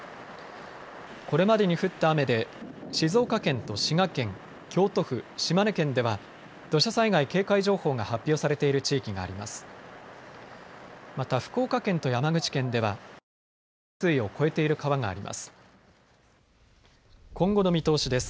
これまでに降った雨で静岡県と滋賀県、京都府、島根県では土砂災害警戒情報が発表されている地域があります。